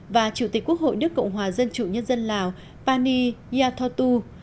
và chủ tịch quốc hội nước cộng hòa dân chủ nhân dân lào pani yathotu